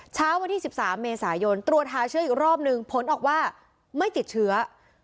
เช้าวันที่๑๓เมษายนตรวจหาเชื้ออีกรอบนึงผลออกว่าไม่ติดเชื้อ